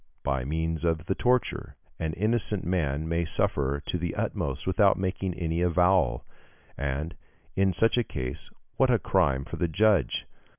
By means of the torture, an innocent man may suffer to the utmost without making any avowal; and, in such a case, what a crime for the judge!